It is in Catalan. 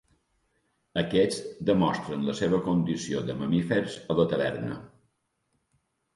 Aquests demostren la seva condició de mamífers a la taverna.